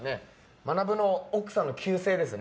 まなぶの奥さんの旧姓ですね。